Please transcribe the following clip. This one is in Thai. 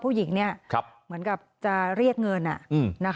ผู้หญิงเนี่ยจะแบบจะเรียกเงิน